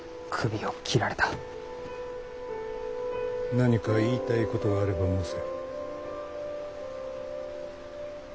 何か言いたいことがあれば申せ。